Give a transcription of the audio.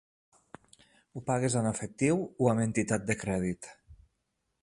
Ho pagues en efectiu o amb entitat de crèdit?